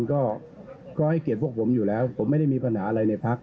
ก็ให้เกียรติพวกผมอยู่แล้วผมไม่ได้มีปัญหาอะไรในพัก